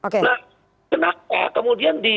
kenapa kemudian di